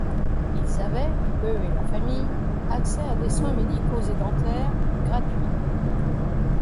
Ils avaient, eux et leurs familles, accès à des soins médicaux et dentaires gratuits.